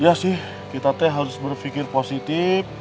iya sih kita teh harus berpikir positif